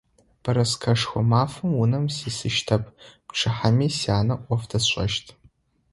Бэрэскэшхо мафэм унэм сисыщтэп, пчыхьэми сянэ ӏоф дэсшӏэщт.